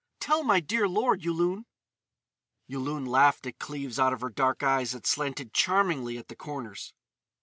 Tell my dear lord, Yulun!" Yulun laughed at Cleves out of her dark eyes that slanted charmingly at the corners.